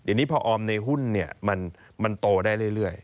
เดี๋ยวนี้พอออมในหุ้นมันโตได้เรื่อย